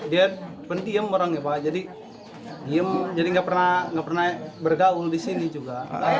dia pendiam orangnya pak jadi diam jadi nggak pernah bergaul di sini juga